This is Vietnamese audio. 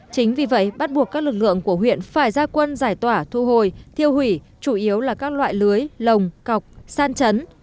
chính vì vậy bắt buộc các lực lượng của huyện phải ra quân giải tỏa thu hồi thiêu hủy chủ yếu là các loại lưới lồng cọc san chấn